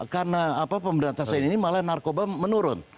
karena pemberantasan ini malah narkoba menurun